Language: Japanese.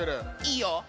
いいよ。